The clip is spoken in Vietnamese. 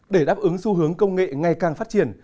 để đáp ứng xu hướng công nghệ ngày càng phát triển